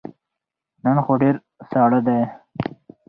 نن خو ډیر ساړه دی